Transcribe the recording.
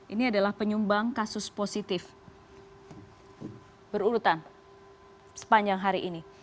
ini adalah penyumbang kasus positif berurutan sepanjang hari ini